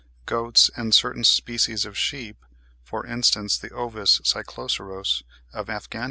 Goats and certain species of sheep, for instance the Ovis cycloceros of Afghanistan (22.